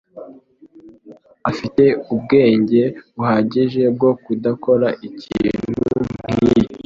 Afite ubwenge buhagije bwo kudakora ikintu nkicyo.